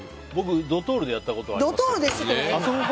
僕ドトールでやったことありますよ。